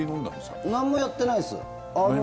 何もやってないです。